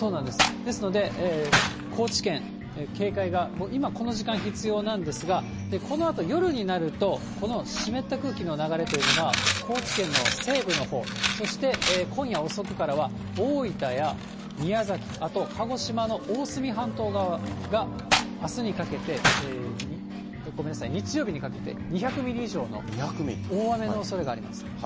ですので、高知県、警戒がもう今、この時間、必要なんですが、このあと夜になると、この湿った空気の流れというのが、高知県の西部のほう、そして今夜遅くからは、大分や宮崎、あと、鹿児島の大隅半島側がごめんなさい、日曜日にかけて、２００ミリ以上の大雨のおそれがあります。